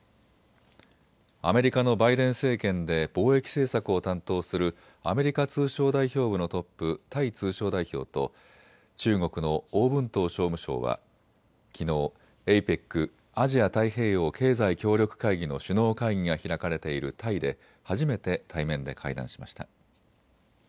アメリカのバイデン政権で貿易政策を担当するアメリカ通商代表部のトップ、タイ通商代表と中国の王文涛商務相はきのうＡＰＥＣ・アジア太平洋経済協力会議の首脳会議が開かれているタイで初めて対面で会談しました。